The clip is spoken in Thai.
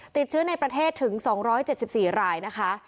ติดเชื้อในประเทศถึง๒๗๔รายนะคะ